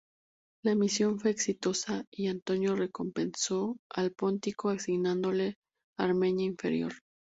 La misión fue exitosa y Antonio recompensó al póntico asignándole Armenia Inferior.